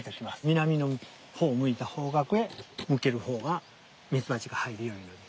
南の方を向いた方角へ向ける方がミツバチが入るようになる。